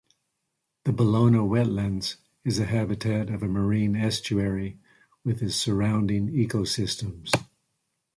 The Ballona Wetlands, is a habitat of a marine Estuary with its surrounding ecosystems.